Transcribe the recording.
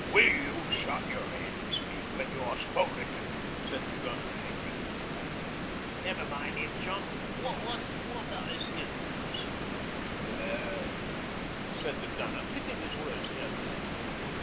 'Will you shut your 'ead an' speak when you're spoke to?' said the Gunner angrily. 'Never mind 'im, chum. Wot about this Gif' business?' 'Well,' said the Gunner, picking his words carefully.